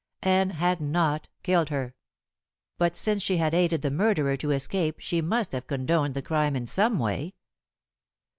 Anne had not killed her; but since she had aided the murderer to escape she must have condoned the crime in some way.